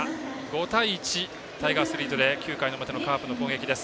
５対１、タイガースリードで９回の表のカープの攻撃です。